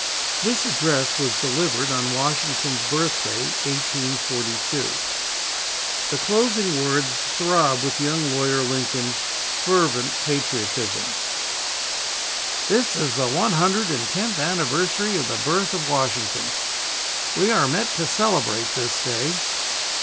This address was delivered on Washington's Birthday, 1842. The closing words throb with young Lawyer Lincoln's fervent patriotism: "This is the one hundred and tenth anniversary of the birth of Washington; we are met to celebrate this day.